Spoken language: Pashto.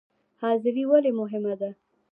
حاضري ولې مهمه ده؟